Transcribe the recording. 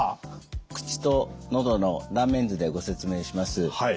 口と喉の断面図でご説明します。